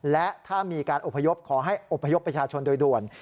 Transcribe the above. และถ้ามีการอบพยพขอให้อบพยพประชาชนโดยด่วน